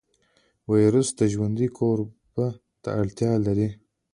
ویروس ژوندي کوربه ته اړتیا لري